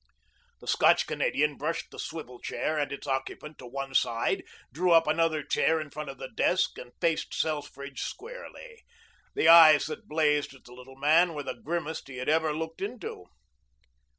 The Scotch Canadian brushed the swivel chair and its occupant to one side, drew up another chair in front of the desk, and faced Selfridge squarely. The eyes that blazed at the little man were the grimmest he had ever looked into.